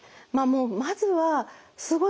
まずはすごい